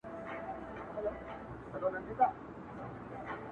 دا خو ورور مي دی بې حده حرامخوره,